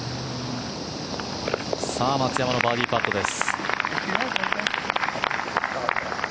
松山のバーディーパットです。